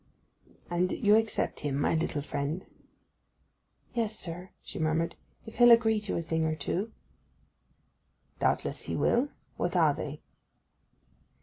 'And you accept him, my little friend?' 'Yes, sir,' she murmured, 'if he'll agree to a thing or two.' 'Doubtless he will—what are they?